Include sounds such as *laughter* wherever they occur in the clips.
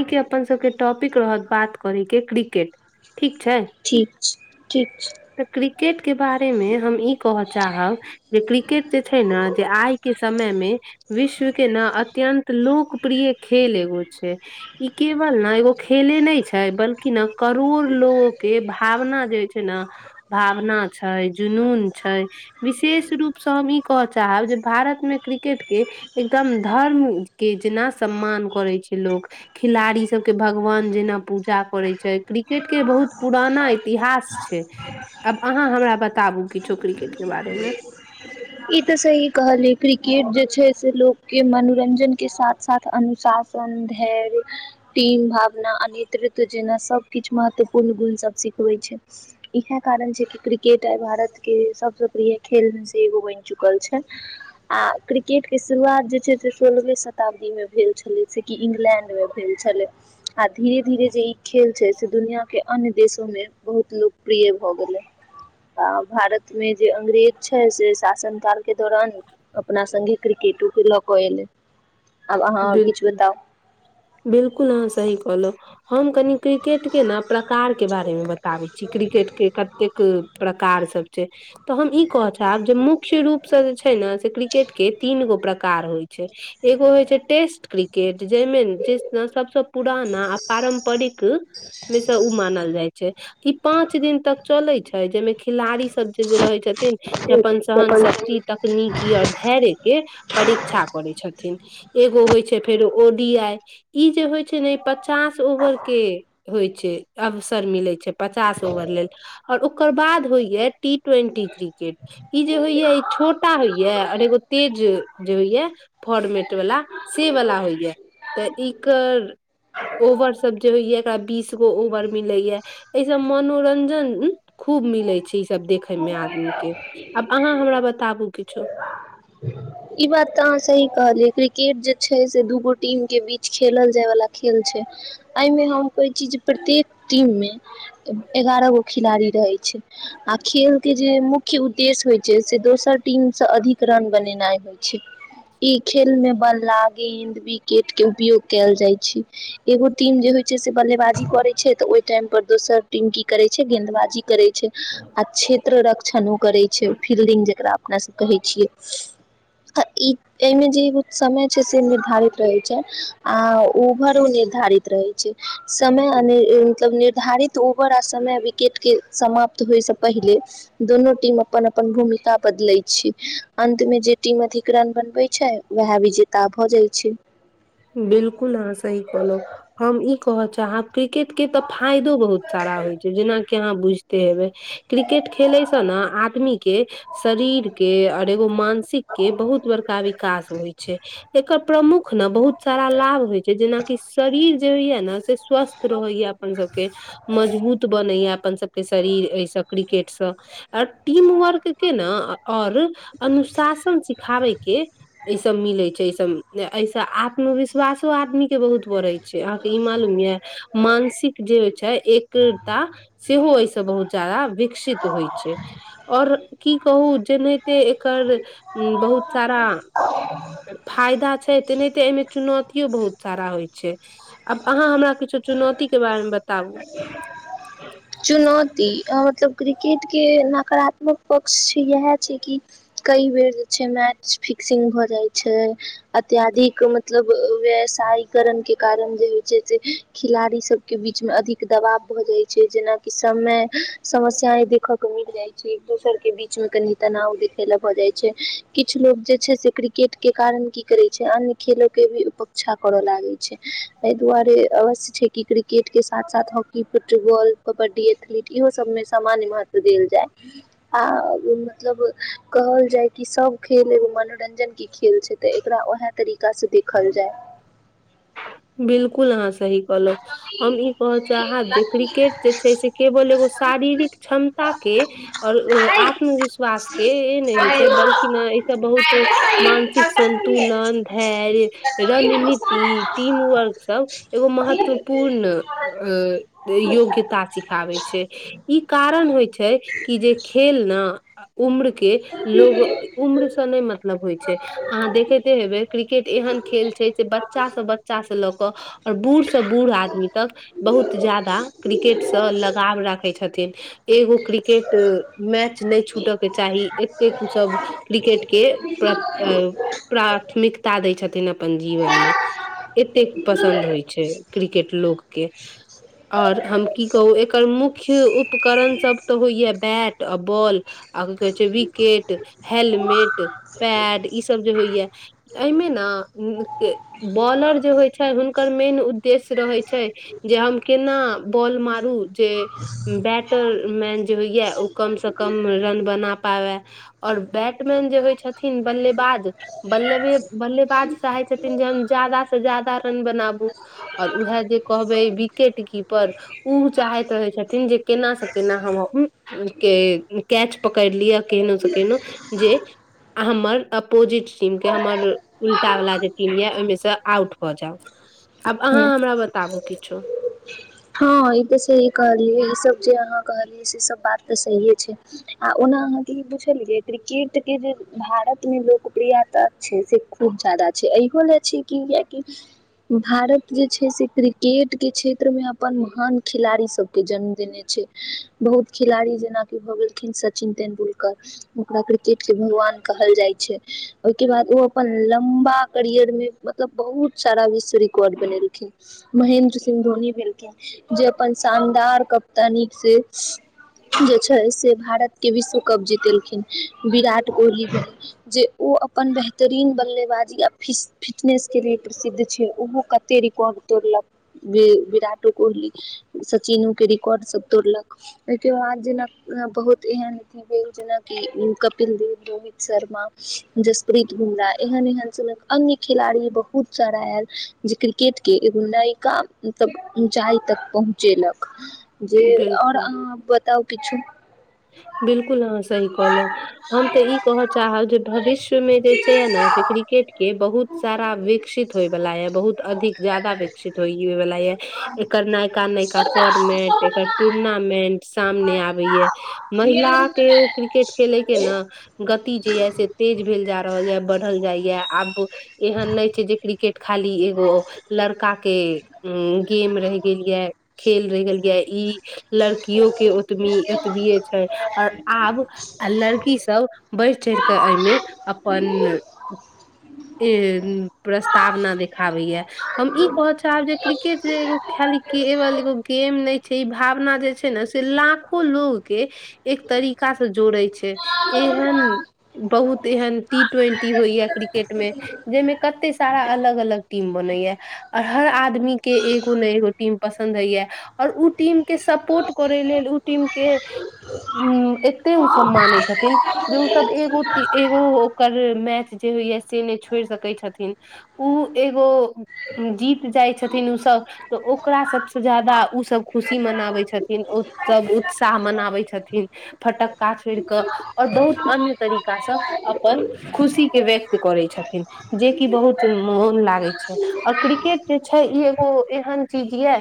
ई के अपन सबके टॉपिक रहत बात करे के क्रिकेट ठीक छै ठीक छै ठीक छै तऽ क्रिकेटके बारेमे हम ई कहय चाहब जे क्रिकेट जे छै ने जे आइ के समय मे विश्व के न अत्यन्त लोकप्रिय खेल एगो छै ई केवल ने एगो खेले नै छै बल्कि न करोड़ लोगो के भावना जे हो छै ने भावना छै जुनून छै विशेष रूपसँ हम ई कहय चाहब जे भारत मे क्रिकेट के एकदम धर्म के जेना सम्मान करै छै लोक खिलाड़ी सबके भगवान जेना पूजा करे छै क्रिकेट के बहुत पुराना इतिहास छै आब अहाँ हमरा बताबु किछो क्रिकेट के बारे मे ई तऽ सही कहलिय क्रिकेट जे छै से लोकके मनोरञ्जनके साथ साथ अनुशासन सन्धेर टीम भावना आ नेतृत्व जेना सभ किछु महत्वपूर्ण गुणसभ सिखबै छै इएहे कारण छै क क्रिकेट आय भारत के सबस प्रिय खेल में से एगो बैन चुकल छै आ क्रिकेट के शुरुआत जे छै से सोलहवे शताब्दी मे भेल छलै से कि इंग्लैण्डमे भेल छलै आ धीरे धीरे जे ई खेल छै से दुनिया के अन्य देशोमे बहुत लोकप्रिय भऽ गेलै आ भारत में जे अंग्रेज छै से साल के दौरान अपना संगगे क्रिकेटो के लऽ के एले बिलकुल बिलकुल आहँ सही कहलौं हम कनि क्रिकेटके न प्रकारके बारेमे बताबै छी क्रिकेटके कतेक प्रकार सब छै तऽ हम ई कह चाहब जे मुख्य रूप सँ जे छै नऽ से क्रिकेट के तीन गो प्रकार होइ एगो होइ छै टेस्ट क्रिकेट केट जैइमे जे‌ ना सबसँ पुराना आ पारम्परिक मेसऽ उ मानल जाय छै ई पांच दिन तक चलै छै छै जैयमे खिलाड़ी सब जे जे रहै छथिन जे अपन सहन शक्ति तकनीकी आओर धैर्य के परीक्षा करै छथिन एगो होइ छै फेरो ओ डी आइ ई जे होइ छै ने पचास ओवर के होइ छै अवसर मिलै छै पचास ओवर लेल आओर ओकर बाद होइये टी ट्वेंटी क्रिकेट ई जे होइये ई छोटा होइये और एगो तेज जे होइया फोर्मेट से वला होइया तऽ एकर ओवर सब जे होइया एकरा बीस गो ओवर मिलैये एहि सँ मनोरंजन खूब मिलै छै सब दखै मे आदमी के आब अहाँ हमरा बताबु किछो ई बात तऽ अहाँ सही कहलियै क्रिकेट जे छै से दूगो टीम के बीच खेलल जाय वाला खेल छै अय मे हम कोइ चीज प्रत्येक टीम मे एगारह गो खिलाड़ी रहै छै खेल के जे मुख्य उद्देश्य होइ छै से दोसर टीम से अधिक रन बनेनाइ होइ छै ई खेल मे बल्ला गेंद विकेट के उपयोग कैल जाय छै एगो टीम जे होय छै से बल्लेबाजी करे छै तऽ ओहि टाइम पर दोसर टीम की करे छै गेंदबाजी करे छै आ क्षेत्र रक्षणो करै छै फल्डिंग जेकरा अपना सब कहै छियै आ ई ऐ मे जे समय छै से निर्धारित रहे छै आ ओभरो निर्धारित रहै छै समय मतलब निर्धारित ओवर आ समय विकेट के समाप्त होइ स पहिले दुनु टीम अपन अपन भूमिका बदलैत छी अन्त मे जे टीम अधिक रन बनबे छै वएह विजेता भऽ जाइ छै बिलकुल अहाँ सही कहलौं हम ई कहऽ चाहब क्रिकेट के तऽ फायदो बहुत सारा होइ छै जेनाकि अहाँ बुझते हेबै क्रिकेट खेलेसँ ने आदमी के शरीर के और एगो मानसिक के बहुत बड़का विकास होइ छै एकर प्रमुख ने बहुत सारा लाभ होइ छै जेनाकि शरीर जे होइया ने से स्वस्थ रहैया अपन सबके मजबूत बनैया अपन सभके शरीर एहिसँ क्रिकेटसँ टीम वर्क के ने और अनुशासन सिखाबै के ई सब मिलै छै ईसभ एहिसँ आ आत्मविश्वासो आदमी के बहुत बढ़ै छै अहाँके ई मालुम यै मानसिक जे होय छै एक्रता सेहो एहिसँ बहुत ज्यादा विकसित होइ छै आओर की कहू जेनाहिते एकर बहुत सारा *inaudible* फायदा छै तेनाहिते एहिमे चुनौतियो बहुत सारा होइ छै आब अहाँ हमरा किछो चुनौती के बारे मे बताबू चुनौती मतलब क्रिकेटके नकारात्मक पक्ष छै इएह छै कि कइ बेर जे छै मैच फिक्सिंग भऽ जाइत छै अत्यधिक मतलब व्यसायिकरण के कारण जे होइ छै से खिलाड़ी सब के बीच मे अधिक दबाव भऽ जाय छै जेनाकि सबमे समस्या देखे के मिल जाय छै एक दोसर के बीच मे कनि तनाव देखे ला भऽ जाइ छै किछु लोग जे छै से क्रिकेट के कारण की करे छै अन्य खेलो के भी उपेक्षा करऽ लागे छै एहि दुआरे अवश्य छै कि क्रि केट के साथ साथ हॉकी फुटबॉल कबड्डी एथलीट इहो सब मे सामान्य महत्व देल जाय आ मतलब कहल जाय कि सब खेल एगो मनोरंजन के खेल छै तऽ एकरा उएह तरीकासँ देखल जाय बिल्लुल आंहा सही कहलौ हम इ कऽह चाहब जे क्रिकेट जे छै से केवल एगो शारीरिक क्षमता के आओर आत्मविश्वास के नहि होइ छै बल्कि ने ईसभ बहुत मानसिक सन्तुलन धैर्य रणनीति टीम वर्क सब एगो महत्वपूर्ण योग्यता सिख खाबै छै ई कारण होइ छै कि जे खेल ने उम्र के लोग उम्र से नहि मतलब होइ छै अहाँ देखैते हेबे क्रिकेट एहन खेल छै जे बच्चा से बच च से लऽ क आऔर बूढ़ से बूढ़ आदमी तक बहुत जादा क्रिकेटसँ लगाव राखै छथिन एगो क्रिकेट मैच नहि छूटय के चाही एतेक उ सब क्रिकेट के प्र प्राथमिकता दै छथिन अपन जीवनमे एतेक पसन्द होइ छै क्रिकेट लोकके आओर हम की कहू एकर मुख्य उपकरणसभ तऽ होइए बैट आ बॉल आ की कहे छै विकेट हेलमेट पैड ई सब जे होइया एहिमे ने कि बॉलर जे होइ छै हुनकर मेन उद्देश्य रहैत छै जे हम केना बॉल मारू जे बैटमन जे होइय ओ कमसँ कम रन बना पाबै ओर बैटमैन जे होइ छथिन बल्लेबाज बल्लेबे बल्लेबाज चाहै छथिन जे हम जादा से ज्यादा रन बनाबू आओर उएह जे कहबै विकेट कीपर ओ चाहैत रहै छथिन जे केना से केना हम के कैच पकड़ लिअ केहनो से केहनो जे हमर अपोजिट टीम के हमर उल्टा वाला जे टीम ये ओहि मे से आउट भऽ जाउ आब जाय अहाँ हमरा बताबु किछो हँ ई तऽ सही कहलियै ई सभ जे अहाँ कहलियै से सब बात तऽ सहिए छै आ ओना अहाँके ई पुछलियै क्रिकेटके जे भारतमे लोकप्रियता छै से खूब जादा छै इहो ले छै कि किएकि भारत जे छै से क्रिकेट के क्षेत्र मे अपन महान खिलाड़ी सब के जन्म देने छै बहुत खिलाड़ी जेनााकि भ गेलखिन सँ चिन तेन्दुलकर ओकरा क्रिकेट के भगवान कहल जाइ छै ओहिके बाद ओ अपन लम्बा करियर मे मतलब बहुत सारा विश्व रिकॉर्ड बनेलखिन महेन्द्र सिंह धोनी भेल जे अपन शानदार कप्तानी से जे छै से भारत के विश्व कप जीतेलखिन विराट कोहली भेलखिन जे ओ अपन बेहतरीन बल्लेबाजी या फिटनेस के लिए प्रसिद्ध छै ओहो क ते रिकार्ड विराट कोहली सचिनो के रिकॉर्ड सब तोड़लक ओहिके बाद जेना बहुत एहन भेल जेनाकि कपिल देव रोहित शर्मा जसप्रीत बुमरा एहन एहन सनक अन्य खेलाड़ी बहुत सारा आयल जे क्रिकेट के एगो नयका मतलब जाइ तक पहुँचेलक जे आओर बिलकुल अहाँ बताउ किछु बिल्कुल अहाँ सही कहलहु हम तऽ ई कहय चाहब जे भविष्यमे जे छै यै ने से क्रिकेट के बहुत सारा विकसित होइ बाला यै बहुत अधिक ज्यादा विकसित हो हए बाला यै एकर नयका नयका फोर्मेट एकर टूर्नामेंट सामने आबे ये महिला के क्रिकेट खेले के ने गति जे ये से तेज भेल जा रहल ये बढ़ल जाय या आब एहन नै छै जे क्रिकेट क्रिकेट खाली एगो लड़का के गेम रहि गेल ये खेल रहि गेलियै ई लड़कियो के ओतबी ओतबीे छै आओर आब आ लड़कीसभ बढ़ि चढ़ि कऽ एहिमे अपन ई प्रस्तावना देख आब ई या हम ई कोब च क्रिकेट खेलाडी कोहब छही ब एगो गैम नै भावना जे छै ने से लाखो लोग के एक तरीका सँ जोड़े छै केहन बहुत एहन टी ट्वेंटी होइ या क्रिकेट मे जाहिमें कते सारा अलग अलग टीम बनैया आऔर हर आदमी के एगो ने एगो टीम पसन्द होइया आओर ओ टीम के सपोर्ट करै लेल ओ टिम के उम्म एते ओ सम मानै छथिन जे ओ सब एगो एगो ओकर मैच जे होइय से नहि छोड़ि सकै छथिन ओ एगो जीत जाइ छथिन ओ सब तऽ ओकरा सबसँ ज्यादा ओ सब खुशी मनाबै छथिन न ओ सब उत्साह मनाबै छथिन फटक्का छोड़ि कऽ आओर बहुत अन्य तरीका सँ अपन खुशी के व्यक्त करै छथिन जेकि बहुत मोन लागै छै आ क्रिकेट जे छै ई एगो एहन चीज ये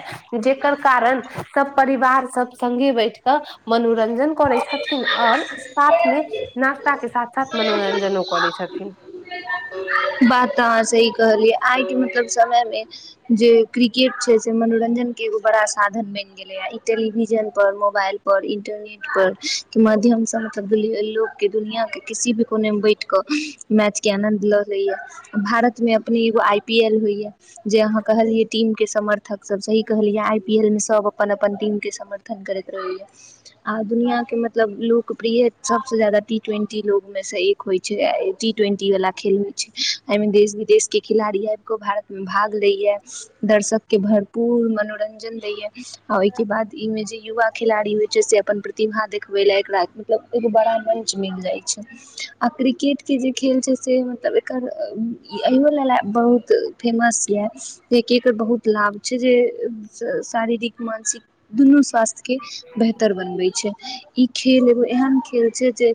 जेकर कारण सब परिवार सब सङ्गे बैठ तऽ मनोरंजन करै छथिन और साथ मे नाश्ता के साथ साथ मनोरंजनो करै छथिन बात तऽ अहाँ सेही कहलियै आइ के मतलब समय मे जे क्रिकेट छै से मनोरंजन के एगो बड़ा साधन बनि जे गेलैये टेलिविजन पर मोबाइल पर इंटरनेट पर के माध्यम से मतलब लोक के दुनिया के किसी भी कोने मे बैठ कऽ मैचके आनन्द लऽ लैय भारतमे अपने एगो आई पी एल होइए जे अहाँ कहलियै टीम के समर्थक सब सही कहलियै आई पी एल मे सब अपन अपन टीम के समर्थक कतन करैत रहैये आ दुनिया के मतलब लोकप्रिय सबस ज्यादा टी ट्वेंटी लोग मे से एक होइ छै टी ट्वेंटी वाला खेल मे एहिमे देश विदेश के खिलाड़ी आब कऽ भारत मे भाग लेय दर्शक के भऽ पूर मनोरंजन देय य आ ओहिके बाद इ मे जे युवा खेलाड़ी होइ छै से अपन प्रतिभा देखबे ला एकरा मतलब एक बड़ा मंच मिल जाय छै आ क्रिकेट के जे खेल छै से मतलब एकर अहो लेल बहुत फेमस यऽ जेकि एकर बहुत लाभ छै जे शारीरिक मानसिक दुनू स्वास्थ्य के बेहतर बनबै छै ई खेल एगो एहन खेल छै जे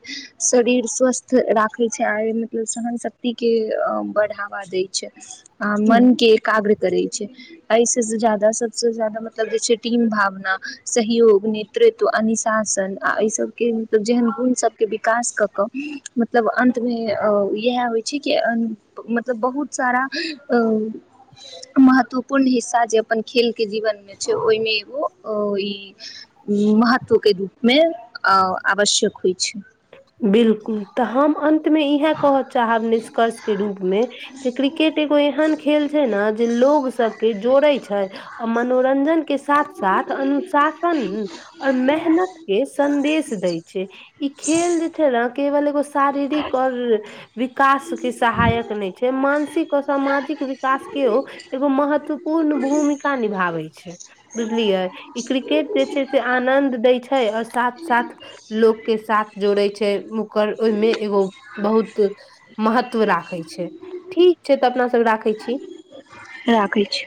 शरीर स्वस्थ राखे छै आर मतलब सहन शक्ति शक्ति के बढ़ावा दै छै आ मन के एकाग्र करै छै एहिसँ ज्यादा सबस जादा मतलब जे छै टीम भावना सहयोग तृत्व अनशासन आ एहि सभके मतलब जेहन गुणसभके विकास कऽ कऽ मतलब अंत मे अ इएह होइ छै मतलब बहुत सारा महत्वपूर्ण हिस्सा जे अपन खेलके जीवनमे छै ओहिमे एगो ई महत्वके रूपमे आ आवश्यक होइ छै बिलकुल तऽ हम अन्तमे इएह कह चाहब निष्कर्ष के रूप मे जे क्रिकेट एगो एहन खेल छै ने जे लोग सब के जोड़े छै आ मनोरंजन के साथ साथ अनुशासन आओर मेहनत के संदेश दै छै ई खेल जे केबल एगो शारीरिक आओर विकास के सहायक नहि छै मानसिक आ सामाजिक विकास केओ एगो महत्वपूर्ण भूमिका निभाबै छै बुझलियै ई क्रिकेट जे छै से आनन्द दै छै आओर साथ साथ लोक के साथ जोड़े छै छै ओकर ओहिमे एगो बहुत महत्व राखै छै ठीक छै तऽ अपना सब राखै छी राखै छी